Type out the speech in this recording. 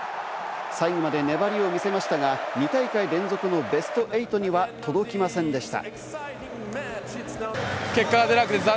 最後まで粘りを見せましたが、２大会連続のベスト８には届きませんでした。